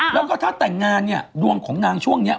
แล้วก็ถ้าแต่งงานเนี่ยดวงของนางช่วงนี้